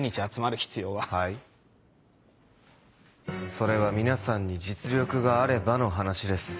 それは皆さんに実力があればの話です。